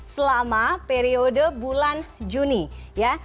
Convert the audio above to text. selama periode bulan juni ya